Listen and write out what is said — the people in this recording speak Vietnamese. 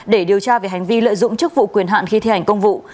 để điều tra về hành vi lợi dụng chức vụ quyền hạn khi thi hành công vụ